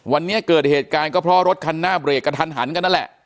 วันนี้เกิดเหตุการณ์ก็เพราะรถคันหน้าเบรกกระทันหันกันนั่นแหละ